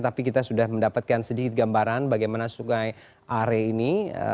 tapi kita sudah mendapatkan sedikit gambaran bagaimana sungai are ini